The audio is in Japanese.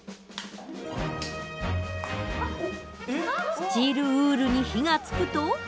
スチールウールに火がつくと。